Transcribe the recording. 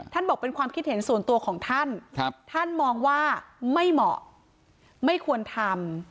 บอกเป็นความคิดเห็นส่วนตัวของท่านท่านมองว่าไม่เหมาะไม่ควรทำ